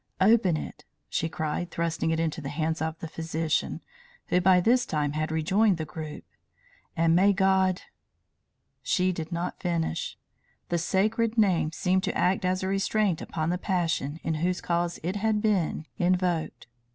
"Open it!" she cried, thrusting it into the hands of the physician, who by this time had rejoined the group. "And may God " She did not finish. The sacred name seemed to act as a restraint upon the passion in whose cause it had been invoked.